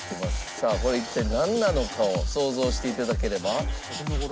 さあこれは一体なんなのかを想像していただければ。